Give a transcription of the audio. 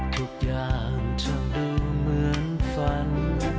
ทุกอย่างจะดูเหมือนฝัน